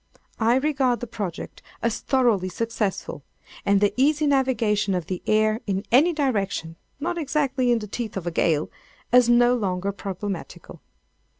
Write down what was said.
I regard the project as thoroughly successful, and the easy navigation of the air in any direction (not exactly in the teeth of a gale) as no longer problematical.